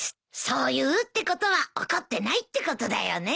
そう言うってことは怒ってないってことだよね。